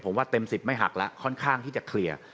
ผมว่าเต็ม๑๐ไม่หักแล้วค่อนข้างที่จะเคลียร์